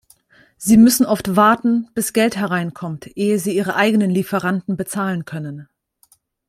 Sie müssen oft warten, bis Geld hereinkommt, ehe sie ihre eigenen Lieferanten bezahlen können.